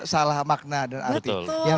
salah makna dan arti betul